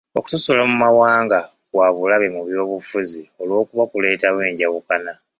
Okusosola mu mawanga kwa bulabe mu by'obufuzi olw'okuba kuleetawo enjawukana.